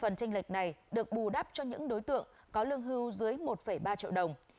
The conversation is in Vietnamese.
phần tranh lệch này được bù đắp cho những đối tượng có lương hưu dưới một ba triệu đồng